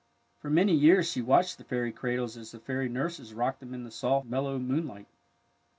For many years she watched the fairy cradles as the fairy nurses rocked them in the soft, mellow moon light.